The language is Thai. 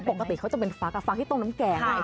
ปกติเขาจะเป็นฟักที่ต้มน้ำแกงไง